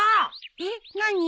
えっ何？